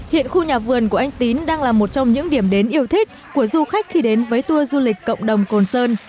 hiện khu nhà vườn của anh tín đang là một trong những điểm đến yêu thích của du khách khi đến với tour du lịch cộng đồng côn sơn